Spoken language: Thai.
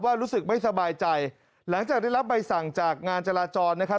รู้สึกไม่สบายใจหลังจากได้รับใบสั่งจากงานจราจรนะครับ